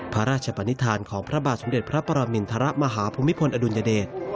พระราชปนิษฐานของพระบาทสมเด็จพระปรมินทรมาฮภูมิพลอดุลยเดช